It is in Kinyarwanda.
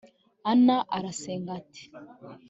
ana arasenga, ati